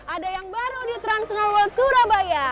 ada yang baru di trans snow world surabaya